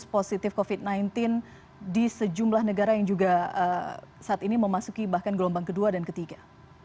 positif covid sembilan belas di sejumlah negara yang juga saat ini memasuki bahkan gelombang kedua dan ketiga